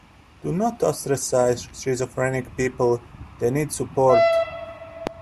Do not ostracize schizophrenic people, they need support.